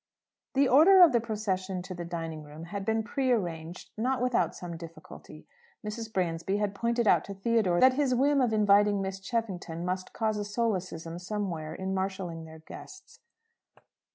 The order of the procession to the dining room had been pre arranged not without some difficulty. Mrs. Bransby had pointed out to Theodore that his whim of inviting Miss Cheffington must cause a solecism somewhere in marshalling their guests.